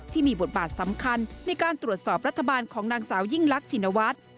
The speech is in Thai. ที่มีบทบาทสำคัญในการตรวจสอบรัฐบาลของนางสาวยิ่งลักชินวัฒน์